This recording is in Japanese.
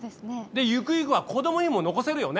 でゆくゆくは子どもにも残せるよね？